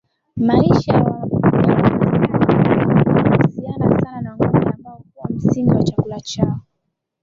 Maisha ya Wamasai yanahusiana sana na ngombe ambao huwa msingi wa chakula chao